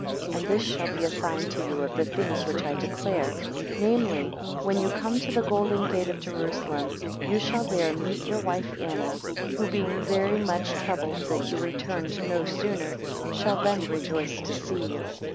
13 And this shall be a sign to you of the things which I declare, namely, when you come to the golden gate of Jerusalem, you shall there meet your wife Anna, who being very much troubled that you returned no sooner, shall then rejoice to see you.